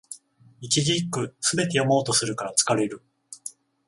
一字一句、すべて読もうとするから疲れる